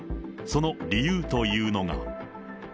その理由というのが。